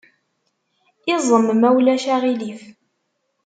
Iẓem, ma ulac aɣilif.